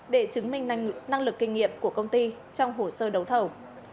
để chứng minh năng lực kinh nghiệm của công ty trong hồ sơ đấu thầu